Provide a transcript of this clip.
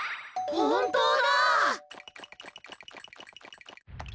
ほんとうだ！